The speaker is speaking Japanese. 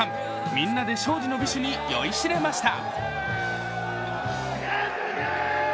みんなで勝利の美酒に酔いしれました。